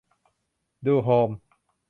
ดูโฮม